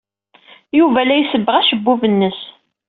Yuba la isebbeɣ acebbub-nnes.